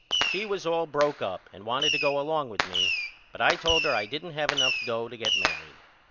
She was all broke up and wanted to go along with me but I told her I didn't have enough dough to get married.